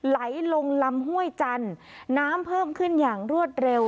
ไหลลงลำห้วยจันทร์น้ำเพิ่มขึ้นอย่างรวดเร็ว